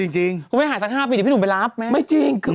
จริงคุณแม่หายสัก๕ปีเดี๋ยวพี่หนุ่มไปรับไหมไม่จริง